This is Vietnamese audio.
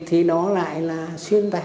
thì nó lại là xuyên tài